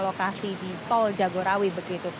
lokasi di tol jagorawi begitu